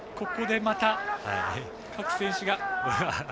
ここでまた、各選手が。